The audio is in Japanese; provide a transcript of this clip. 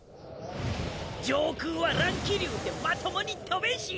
上空は乱気流でまともにとべんし！